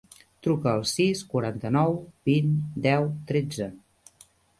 Truca al sis, quaranta-nou, vint, deu, tretze.